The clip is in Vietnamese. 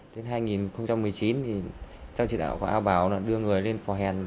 tới hai nghìn một mươi chín theo chỉ đạo của a bảo là đưa người lên phò hèn